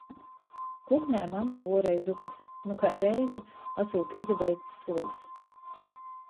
Kuknē mama vuorej zupys, nu kai reize asūt izabeidzs suoļs.